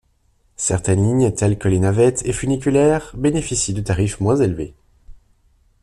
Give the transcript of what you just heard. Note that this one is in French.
Certaines lignes telles que les navettes et funiculaires, bénéficient de tarifs moins élevés.